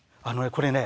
これね